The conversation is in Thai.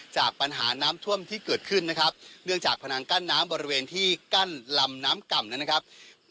จากปัญหาน้ำท่วมที่เกิดขึ้นนะครับเนื่องจากพนังกั้นน้ำบริเวณที่กั้นลำน้ำก่ำนั้นนะครับ